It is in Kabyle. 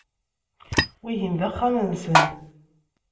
Wihin d axxam-nsen.